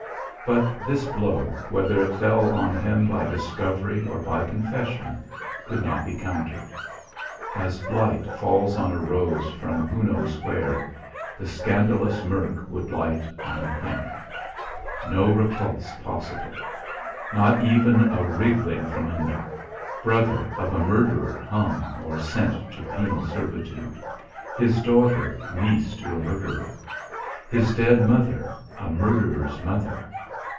But this blow, whether it fell on him by discovery or by confession, could not be countered. As blight falls on a rose from who knows where, the scandalous murk would light on him. No repulse possible! Not even a wriggling from under! Brother of a murderer hung or sent to penal servitude! His daughter niece to a murderer! His dead mother a murderer's mother!